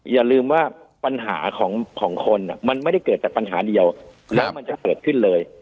อย่าลืมว่าปัญหาของคนมันไม่ได้เกิดจากปัญหาเดียวแล้วมันจะเกิดขึ้นเลย